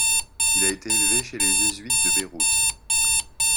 Il a été élevé chez les jésuites de Beyrouth.